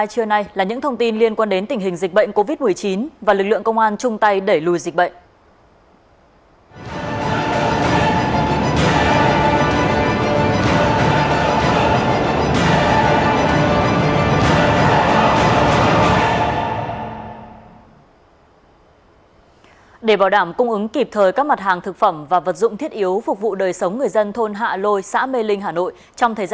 hãy đăng ký kênh để ủng hộ kênh của chúng mình nhé